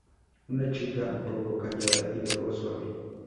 Una chica un poco callada y de voz suave.